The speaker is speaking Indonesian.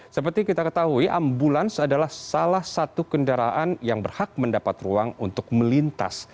seperti kita ketahui ambulans adalah salah satu kendaraan yang berhak mendapat ruang untuk melintas